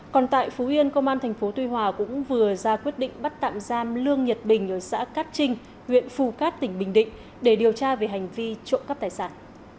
còn tại phú yên công an thành phố tuy hòa cũng vừa ra quyết định bắt tạm giam lương nhật bình ở xã cát trinh huyện phù cát tỉnh bình định để điều tra về hành vi trộm cắp tài sản